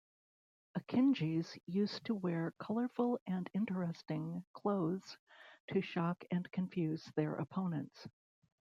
Akinjis used to wear colourful and interesting clothes to shock and confuse their opponents.